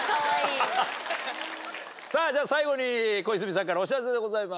最後に小泉さんからお知らせでございます。